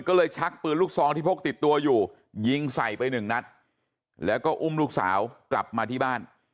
ก็เลยชักปืนลูกซองที่พกติดตัวอยู่ยิงใส่ไปหนึ่งนัดแล้วก็อุ้มลูกสาวกลับมาที่บ้าน